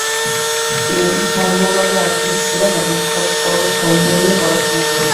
তিনি ব্রহ্মবাদে আগ্রহী ছিলেন এবং সব বড় ধর্ম নিয়ে পড়াশোনা করেছেন।